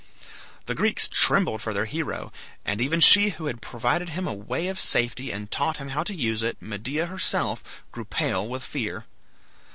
The Greeks trembled for their hero, and even she who had provided him a way of safety and taught him how to use it, Medea herself, grew pale with fear.